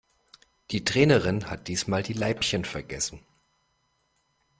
Die Trainerin hat diesmal die Leibchen vergessen.